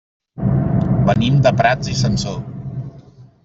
Venim de Prats i Sansor.